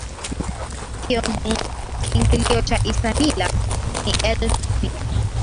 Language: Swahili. kiingilio cha isamila ni elfu mbili